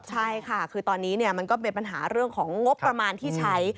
ใช่ค่ะคือตอนนี้มันก็เป็นปัญหาเรื่องของงบประมาณที่ใช้